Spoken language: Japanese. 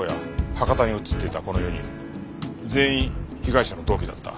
博多に映っていたこの４人全員被害者の同期だった。